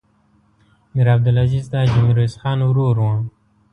میر عبدالعزیز د حاجي میرویس خان ورور و.